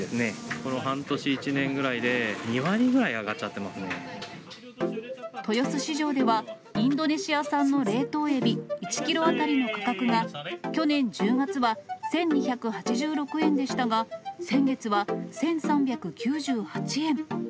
この半年、１年ぐらいで、豊洲市場では、インドネシア産の冷凍エビ１キロ当たりの価格が去年１０月は１２８６円でしたが、先月は１３９８円。